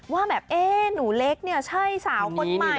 ว่าหนูเล็กใช่สาวคนใหม่